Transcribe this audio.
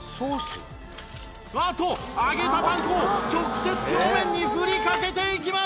あっと揚げたパン粉を直接表面に振りかけていきます